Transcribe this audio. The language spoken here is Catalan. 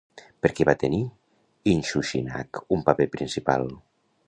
Per què va tenir Inshushinak un paper principal?